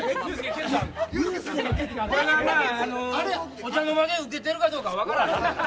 お茶の間でウケてるかどうか分からん。